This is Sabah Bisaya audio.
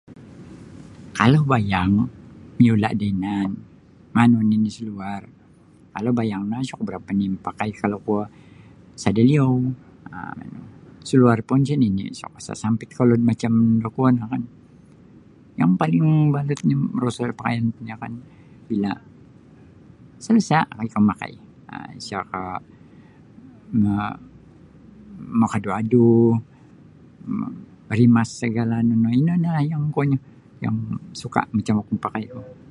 Kalau bayang miula' da inan manu nini seluar kalau bayang no isa ku barapa nini mapakai kalau kuo sada liyou um manu seluar pun sa nini sa kuasa sampit kolod macam da kuo no kan yang paling mabalutnyo moroso da pakaian bila selesa kalau ikou mamakai um isa ko makaduadu um rimas segalanyo no ino yang kuonyo suka macam oku mapakaiku.